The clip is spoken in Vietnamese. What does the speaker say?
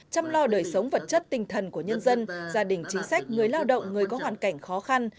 chăm lo đời sống vật chất tinh thần của nhân dân gia đình chính sách người lao động người có hoàn cảnh khó khăn